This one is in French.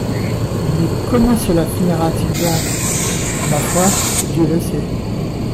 »Mais, comment cela finira-t-il donc ? »Ma foi, Dieu le sait.